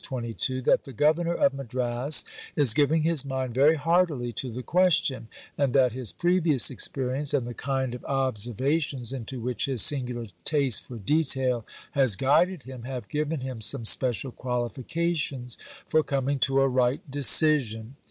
22), "that the Governor of Madras is giving his mind very heartily to the question; and that his previous experience, and the kind of observations into which his singular taste for detail has guided him, have given him some special qualifications for coming to a right decision."